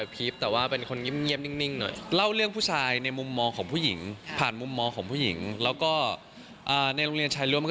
ก็รู้มากนะ